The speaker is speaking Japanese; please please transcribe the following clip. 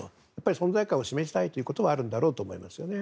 存在感を示したいというのはあるんだろうと思いますね。